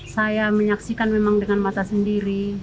saya menyaksikan memang dengan mata sendiri